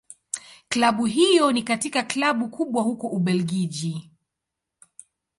Klabu hiyo ni katika Klabu kubwa huko Ubelgiji.